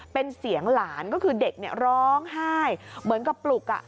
เป็นเสียงหลานก็คือเด็กร้องไห้เหมือนกับปลุก